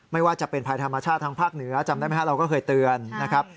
ไม่ว่าจะเป็นภัยธรรมชาติทางภาคเหนือจำได้ไหมครับเราก็เคยเตือนนะครับ